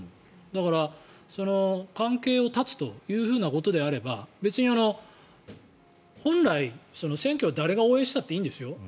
だから関係を絶つということであれば別に本来、選挙は誰が応援したっていいんですよ。